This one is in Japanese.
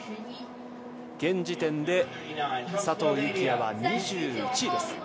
現時点で佐藤幸椰は２１位。